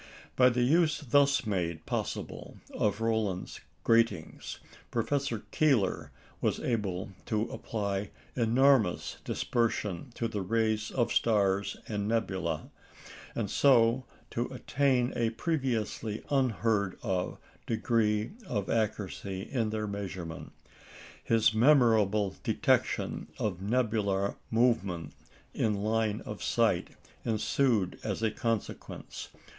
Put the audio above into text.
By the use thus made possible of Rowland's gratings, Professor Keeler was able to apply enormous dispersion to the rays of stars and nebulæ, and so to attain a previously unheard of degree of accuracy in their measurement. His memorable detection of nebular movement in line of sight ensued as a consequence.